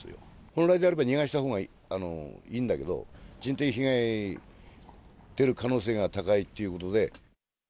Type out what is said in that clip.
本来であれば逃がしたほうがいいんだけど、人的被害出る可能性が高いっていうことで。